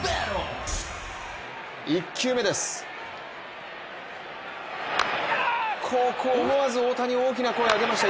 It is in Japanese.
１球目です、ここは思わず大谷大きな声を上げました。